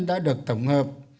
đã được tổng hợp